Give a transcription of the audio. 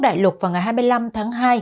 đại lục vào ngày hai mươi năm tháng hai